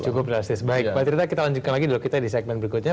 cukup drastis baik mbak tiri kita lanjutkan lagi dulu kita di segmen berikutnya